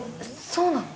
そうなの？